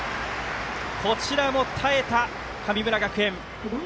こちらも耐えた、神村学園。